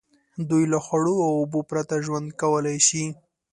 دوی له خوړو او اوبو پرته ژوند کولای شي.